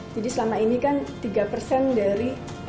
jadi selama ini kan tiga dari